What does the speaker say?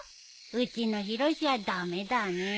うちのヒロシは駄目だね。